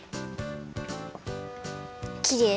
きれい。